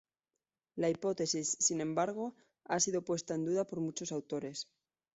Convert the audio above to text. La hipótesis, sin embargo, ha sido puesta en duda por muchos autores.